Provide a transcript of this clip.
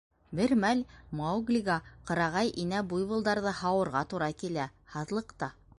Бер мәл Мауглиға ҡырағай инә буйволдарҙы һауырға тура килә. һаҙлыҡта.